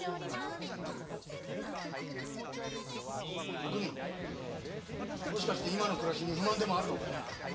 おくみもしかして今の暮らしに不満でもあるのかい。